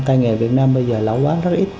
tai nghề việt nam bây giờ lão quá rất ít